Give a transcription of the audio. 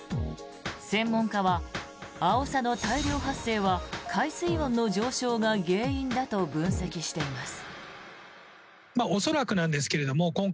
専門家はアオサの大量発生は海水温の上昇が原因だと分析しています。